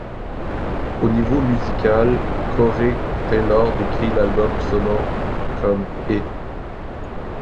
Au niveau musical, Corey Taylor décrit l'album sonnant comme ' et '.